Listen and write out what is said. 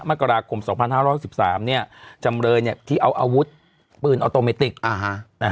มันกราคม๒๕๖๓เนี่ยจำเลยเนี่ยที่เอาอาวุธปืนออโตเมติกนะฮะ